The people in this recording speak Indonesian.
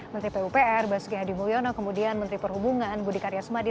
menteri pupr basuki hadi mulyono kemudian menteri perhubungan budi karya sumadi